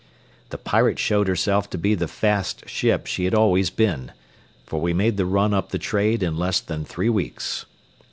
The Pirate showed herself to be the fast ship she had always been, for we made the run up the trade in less than three weeks.